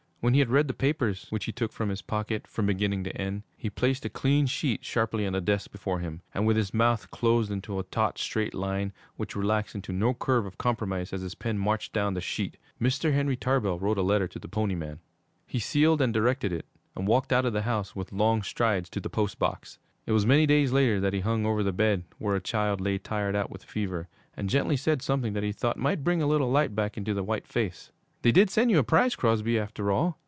When he had read the papers, which he took from his pocket, from beginning to end, he placed a clean sheet sharply on the desk before him, and with his mouth closed into a taut, straight line which relaxed into no curve of compromise as his pen marched down the sheet, Mr. Henry Tarbell wrote a letter to the Pony Man. He sealed and directed it and walked out of the house, with long strides, to the post box. It was many days later that he hung over the bed where a child lay tired out with fever, and gently said something that he thought might bring a little light back into the white face. 'They did send you a prize, Crosby, after all!